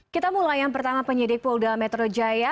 kita mulai yang pertama penyidik polda metro jaya